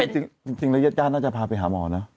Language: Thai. แต่ว่าจริงแล้วยาดน่าจะพาไปหาหมอเนอะ